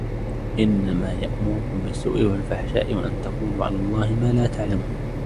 إِنَّمَا يَأْمُرُكُمْ بِالسُّوءِ وَالْفَحْشَاءِ وَأَنْ تَقُولُوا عَلَى اللَّهِ مَا لَا تَعْلَمُونَ